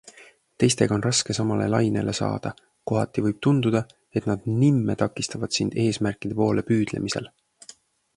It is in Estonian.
Teistega on raske samale lainele saada, kohati võib tunduda, et nad nimme takistavad sind eesmärkide poole püüdlemisel.